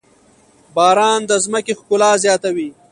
باران د ځمکې ښکلا زياتوي.